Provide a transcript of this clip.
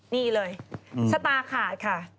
นี่เลยสตาร์ขาดค่ะ